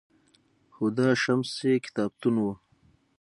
هُدا شمس یې کتابتون و